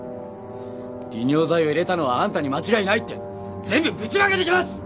利尿剤を入れたのはあんたに間違いないって全部ぶちまけてきます！